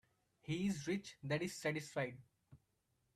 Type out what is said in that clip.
He is rich that is satisfied.